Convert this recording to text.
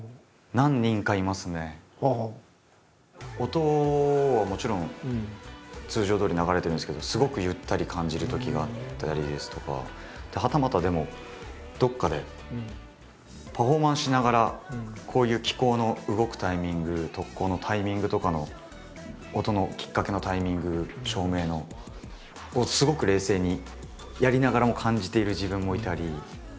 音はもちろん通常どおり流れてるんですけどすごくゆったり感じるときがあったりですとかはたまたでもどっかでパフォーマンスしながらこういう機構の動くタイミング特効のタイミングとかの音のきっかけのタイミング照明のをすごく冷静にやりながらも感じている自分もいたり。